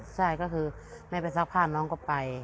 ใช่ก็คือแม่ไปซักผ้าน้องก็ไป